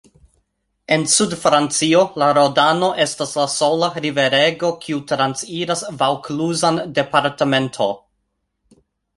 En sudfrancio la Rodano estas la sola riverego kiu transiras vaŭkluzan departemento.